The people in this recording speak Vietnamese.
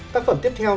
tác phẩm tiếp theo